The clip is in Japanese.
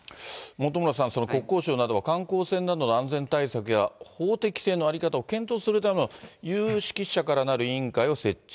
本村さん、国交省などは観光船などの安全対策や、法的規制の在り方などを検討するための有識者からなる委員会を設置。